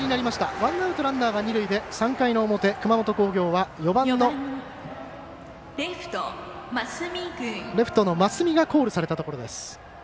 ワンアウト、ランナーが二塁で３回の表熊本工業は４番のレフト増見がコールされたところです。